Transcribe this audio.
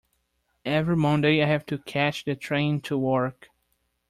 Every Monday I have to catch the train into work